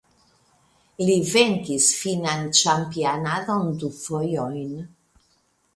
Li venkis finnan ĉampianadon du fojojn.